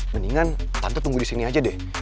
mendingan tante tunggu disini aja deh